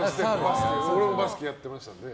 俺もバスケやってましたから。